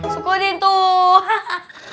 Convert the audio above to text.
sukulin tuh hahaha